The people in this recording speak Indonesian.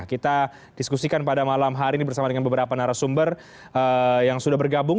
kita diskusikan pada malam hari ini bersama dengan beberapa narasumber yang sudah bergabung